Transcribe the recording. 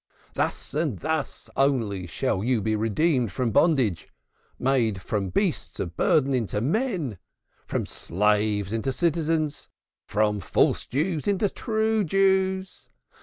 Thus and thus only shall you be redeemed from bondage, made from beasts of burden into men, from slaves to citizens, from false Jews to true Jews.